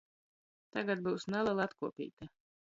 Tagad byus nalela atkuopeite.